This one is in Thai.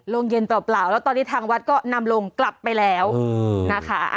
โรงเย็นเปล่าแล้วตอนนี้ทางวัดก็นำลงกลับไปแล้วนะคะ